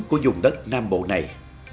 của dùng đất nam bộ này